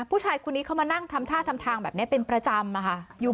ผู้ชายคนนี้เข้ามานั่งทำท่าทำทางแบบนี้เป็นประจำอะค่ะ